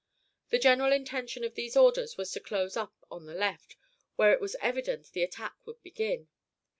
The general intention of these orders was to close up on the left, where it was evident the attack would begin.